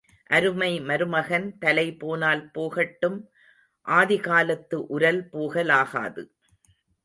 அருமை மருமகன் தலைபோனால் போகட்டும் ஆதிகாலத்து உரல் போகலாகாது.